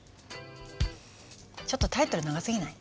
ちょっとタイトル長すぎない？